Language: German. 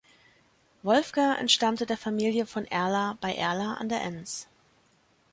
Wolfger entstammte der Familie von Erla bei Erla an der Enns.